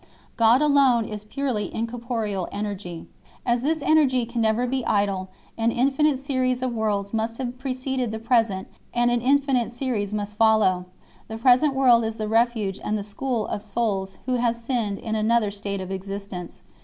God alone is purely incorporeal energy. As this energy can never be idle, an infinite series of worlds must have preceded the present and an infinite series must follow 1 . The present world is the refuge and the school of souls who have sinned in another state of existence.